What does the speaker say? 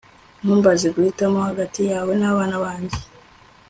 Ntumbaze guhitamo hagati yawe nabana banjye